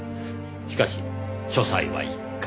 しかし書斎は１階。